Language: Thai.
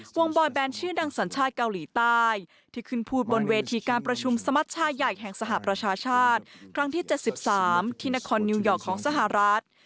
บอยแบนชื่อดังสัญชาติเกาหลีใต้ที่ขึ้นพูดบนเวทีการประชุมสมัชชาใหญ่แห่งสหประชาชาติครั้งที่๗๓ที่นครนิวยอร์กของสหรัฐ